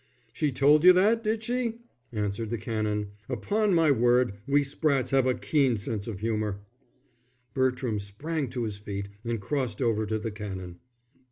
"She told you that, did she?" answered the Canon. "Upon my word, we Sprattes have a keen sense of humour." Bertram sprang to his feet and crossed over to the Canon.